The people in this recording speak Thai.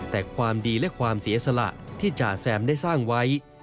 แต่ความดีและความเสียสละที่จ่าแซมได้สร้างไว้